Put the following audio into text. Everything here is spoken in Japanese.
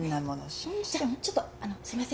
じゃちょっとあのすいません。